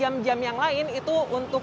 nah untuk jam jam yang lain itu untuk juga